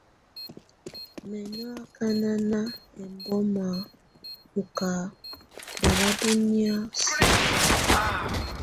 Mɛ̀ nɔ̀ akana ɛmbɔ̀ma ɔ̀ kà bɛlabɔ̀nɛ̀á siǝ.